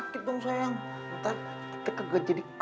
kalo posisi dianggap bersidih